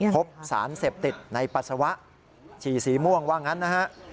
พบสารเสพติดในปัสสาวะฉี่สีม่วงว่างั้นนะฮะ